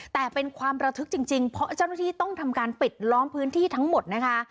แต่เป็นความระทึกจริงเพราะเจ้าหน้าที่ต้องทำการปิดล้อมพื้นที่ทั้งหมดนะคะ